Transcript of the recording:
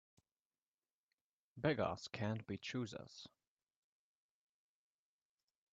Beggars can't be choosers.